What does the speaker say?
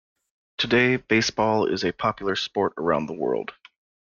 Today, baseball is a popular sport around the world.